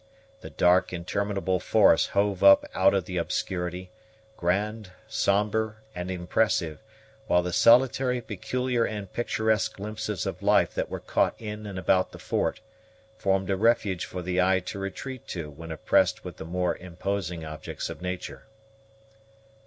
The dark interminable forest hove up out of the obscurity, grand, sombre, and impressive, while the solitary, peculiar, and picturesque glimpses of life that were caught in and about the fort, formed a refuge for the eye to retreat to when oppressed with the more imposing objects of nature.